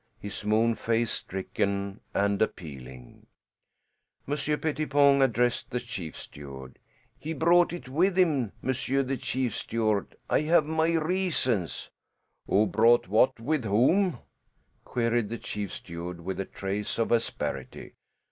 His moon face stricken and appealing, Monsieur Pettipon addressed the chief steward. "He brought it with him, monsieur the chief steward. I have my reasons " "Who brought what with whom?" queried the chief steward with a trace of asperity.